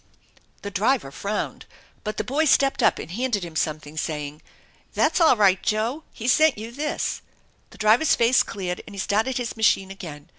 The driver frowned, but the boy stepped up and handed him something, saying: "That's all right, Joe, he sent you this." The driver's face cleared and he started his machine again.